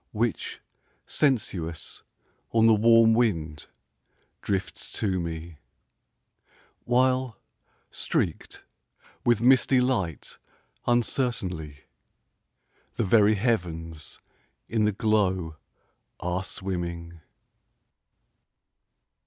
Which sensuous on the warm wind drifts to me, While, streaked with misty light uncertainly, The very heavens in the glow are swimming.